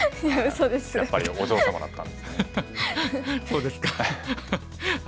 そうですか。